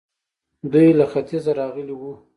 دوی له ختيځه راغلي وو